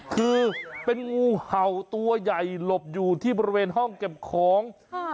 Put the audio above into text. คือเป็นงูเห่าตัวใหญ่หลบอยู่ที่บริเวณห้องเก็บของค่ะ